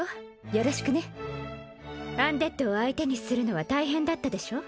よろしくねアンデッドを相手にするのは大変だったでしょ？